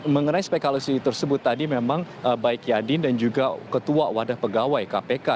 mengenai spekalisi tersebut tadi memang baik yadin dan juga ketua wadah pegawai kpk